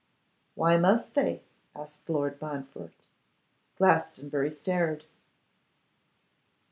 'Why must they?' asked Lord Montfort. Glastonbury stared.